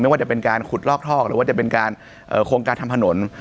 ว่าจะเป็นการขุดลอกทอกหรือว่าจะเป็นการโครงการทำถนน